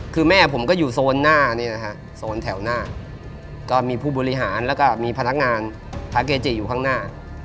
คือแม่ผมก็อยู่โซนหน้าเนี่ยนะฮะโซนแถวหน้าก็มีผู้บริหารแล้วก็มีพนักงานพระเกจิอยู่ข้างหน้า